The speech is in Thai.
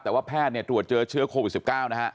แต่ว่าแพทย์เนี่ยตรวจเจอเชื้อโควิด๑๙นะฮะ